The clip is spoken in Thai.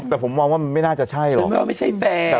แต่ผมว่ามันไม่น่าจะใช่หรอก